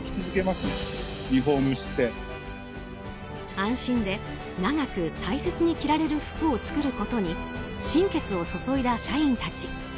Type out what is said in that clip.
安心で長く大切に着られる服を作ることに心血を注いだ社員たち。